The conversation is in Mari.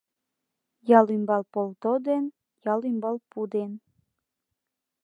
Ял ӱмбал полто ден, ял ӱмбал пу ден